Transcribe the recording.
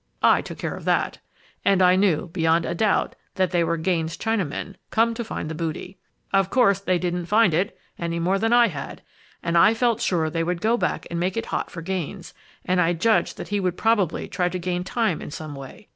I took care of that. And I knew, beyond a doubt, that they were Gaines's Chinamen, come to find the booty. "Of course they didn't find it, any more than I had, and I felt sure they would go back and make it hot for Gaines, and I judged that he would probably try to gain time in some way.